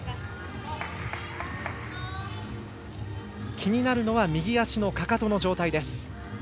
気になるのは右足のかかとの状態。